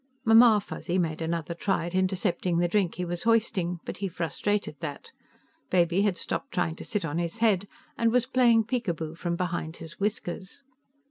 Mamma Fuzzy made another try at intercepting the drink he was hoisting, but he frustrated that. Baby had stopped trying to sit on his head, and was playing peek a boo from behind his whiskers.